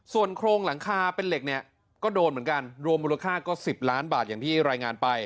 ส่วนโครงหลังคาเป็นเหล็กเนี่ยก็โดนเหมือนกันรวมมูลค่าก็๑๐ล้านบาทอย่างที่รายงานไป